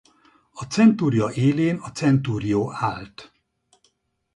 A centuria élén a centurio állt.